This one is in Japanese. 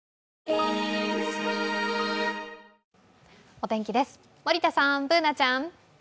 お天気です、森田さん、Ｂｏｏｎａちゃん。